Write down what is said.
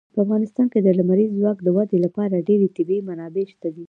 په افغانستان کې د لمریز ځواک د ودې لپاره ډېرې طبیعي منابع شته دي.